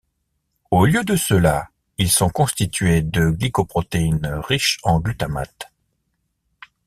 Au lieu de cela, ils sont constitués de glycoprotéines riches en glutamate.